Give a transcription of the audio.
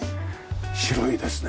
白いですね。